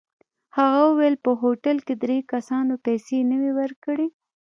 هغه وویل په هوټل کې درې کسانو پیسې نه وې ورکړې.